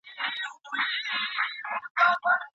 انسان بايد هيڅکله د جنس په توګه ونه کارول سي.